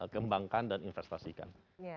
kembangkan dan investasikan